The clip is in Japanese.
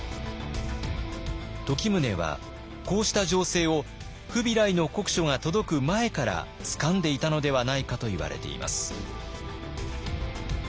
時宗はこうした情勢をフビライの国書が届く前からつかんでいたのではないかといわれています。